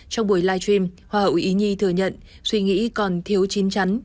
trong buổi livestream hoa hậu ý nhi thừa nhận suy nghĩ còn thiếu chín chắn